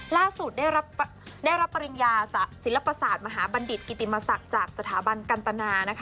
ล่าสุดได้รับปริญญาศิลปศาสตร์มหาบัณฑิตกิติมศักดิ์จากสถาบันกันตนานะคะ